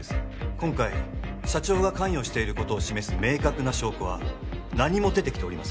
今回社長が関与していることを示す明確な証拠は何も出てきておりません